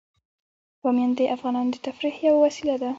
بامیان د افغانانو د تفریح یوه وسیله ده.